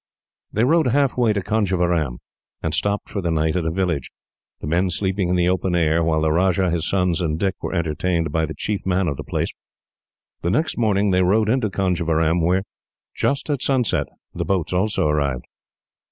They rode halfway to Conjeveram, and stopped for the night at a village the men sleeping in the open air, while the Rajah, his sons, and Dick, were entertained by the chief man of the place. The next afternoon they rode into Conjeveram, where, just at sunset, the boats also arrived.